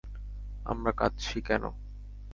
আমরা কাঁদছি কেন?